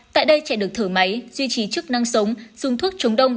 tại đây trẻ được thở máy duy trì chức năng sống dùng thuốc chống đông